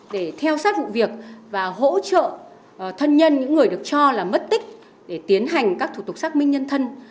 để theo sát vụ việc và hỗ trợ thân nhân những người được cho là mất tích để tiến hành các thủ tục xác minh nhân thân